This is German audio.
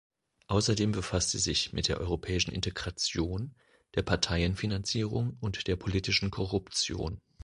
Außerdem befasst sie sich mit der Europäischen Integration, der Parteienfinanzierung und der politischen Korruption.